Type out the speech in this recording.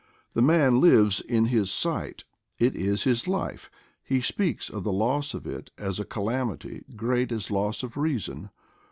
The man lives in his sight; it is his life ; he speaks of the loss of it as a calamity great as loss of reason.